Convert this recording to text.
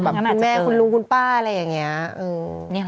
คุณแม่คุณลุงคุณป้าอะไรอย่างนี้